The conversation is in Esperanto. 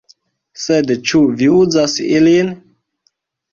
"Sed ĉu vi uzas ilin?"